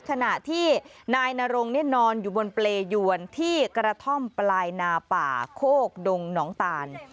ขณะที่นายนรงนอนอยู่บนเปรยวนที่กระท่อมปลายนาป่าโคกดงหนองตาล